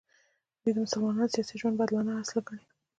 دوی د مسلمانانو سیاسي ژوند بدلانه اصل ګڼي.